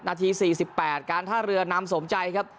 นาที๔๘การท่าเรือนำสมใจครับ